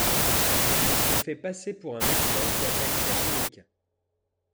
Il se fait passer pour un médecin qui appelle sa clinique.